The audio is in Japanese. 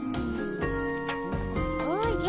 おじゃ。